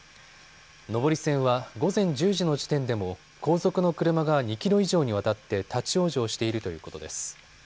上り線は午前１０時の時点でも後続の車が２キロ以上にわたって立往生しているということです。